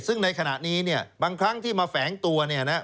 ซึ่งในขณะนี้บางครั้งที่มาแฝงตัว